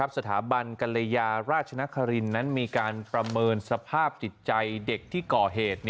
สถาบันกรยาราชนครินนั้นมีการประเมินสภาพจิตใจเด็กที่ก่อเหตุ